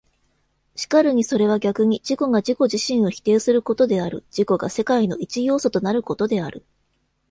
然るにそれは逆に自己が自己自身を否定することである、自己が世界の一要素となることである。